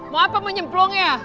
mau apa mau nyemplung ya